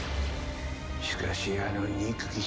しかしあの憎き宿敵